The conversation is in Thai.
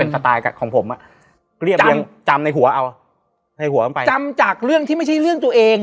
ตกตายของผมจำในหัวจำจากเรื่องที่ไม่ใช่เรื่องตัวเอง